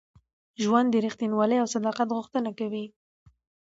ژوند د رښتینولۍ او صداقت غوښتنه کوي.